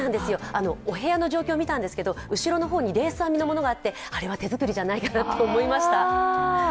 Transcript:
お部屋の状況を見たんですけど、後ろの方にレース編みのものがあってあれは手作りじゃないかなと思いました。